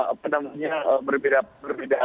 apa namanya berbeda beda